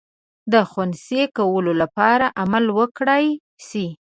د خنثی کولو لپاره عمل وکړای سي.